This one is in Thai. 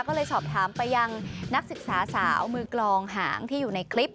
ก็เลยสอบถามไปยังนักศึกษาสาวมือกลองหางที่อยู่ในคลิป